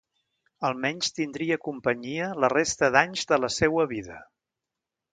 Almenys tindria companyia la resta d'anys de la seua vida.